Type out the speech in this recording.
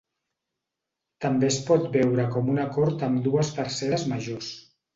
També es pot veure com un acord amb dues terceres majors.